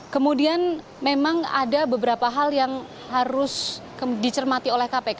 kemudian memang ada beberapa hal yang harus dicermati oleh kpk